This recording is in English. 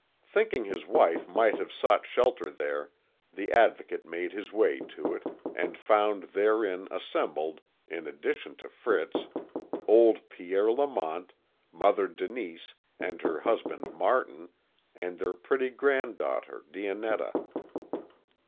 Thinking his wife might have sought shelter there, the Advocate made his way to it, and found therein assembled, in addition to Fritz, old Pierre Lamont, Mother Denise and her husband Martin, and their pretty granddaughter Dionetta.